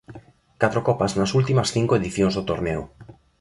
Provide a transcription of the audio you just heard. Catro copas nas últimas cinco edicións do torneo.